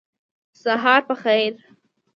سهار په خیر !